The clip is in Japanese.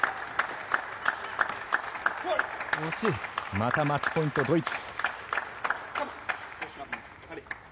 またマッチポイント、ドイツ。